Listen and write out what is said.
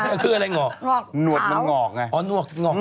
อันคืออะไรหงอกหงอกขาวอ๋อหนวกหงอก